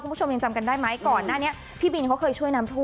คุณผู้ชมยังจำกันได้ไหม